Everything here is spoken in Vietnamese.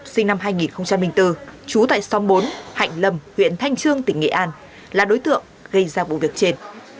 sinh năm hai nghìn bốn trú tại xóm bốn hạnh lâm huyện thanh trương tỉnh nghệ an là đối tượng gây ra vụ việc trên